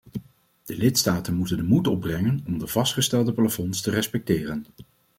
De lidstaten moeten de moed opbrengen om de vastgelegde plafonds te respecteren.